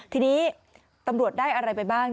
ทีนี้ตำรวจได้อะไรไปบ้าง